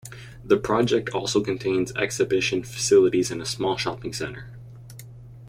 The project also contains exhibition facilities and a small shopping center.